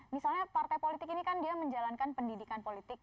misalnya partai politik ini kan dia menjalankan pendidikan politik